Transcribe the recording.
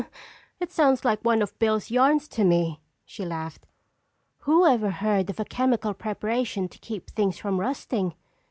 "It sounds like one of Bill's yarns to me," she laughed. "Whoever heard of a chemical preparation to keep things from rusting?